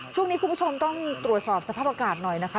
ช่วงนี้คุณผู้ชมต้องตรวจสอบสภาพอากาศหน่อยนะคะ